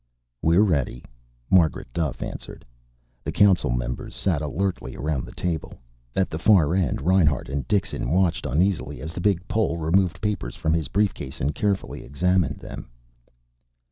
"We're ready," Margaret Duffe answered. The Council members sat alertly around the table. At the far end, Reinhart and Dixon watched uneasily as the big Pole removed papers from his briefcase and carefully examined them.